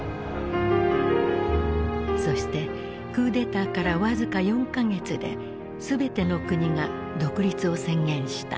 そしてクーデターから僅か４か月で全ての国が独立を宣言した。